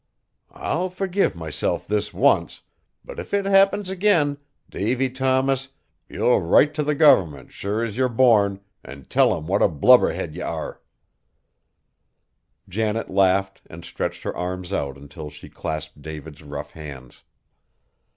I'll forgive myself this once; but if it happens again, Davy Thomas, yer'll write t' the government sure as yer born an' tell 'em what a blubber head ye air." Janet laughed, and stretched her arms out until she clasped David's rough hands.